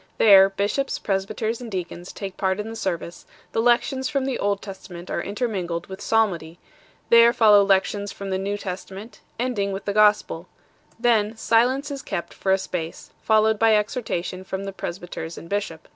There, bishops, presbyters, and deacons take part in the service; the lections from the Old Testament are intermingled with psalmody ; there follow lections from the New Testament, ending with the Gospel ; then, silence is kept for a space, followed by exhortation from the presbyters and bishop.